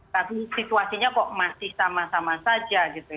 tapi situasinya kok masih sama sama saja gitu ya